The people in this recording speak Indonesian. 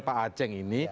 pak aceng ini